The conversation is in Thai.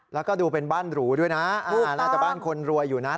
แล้วก็ดูเป็นบ้านหรูด้วยนะน่าจะบ้านคนรวยอยู่นะ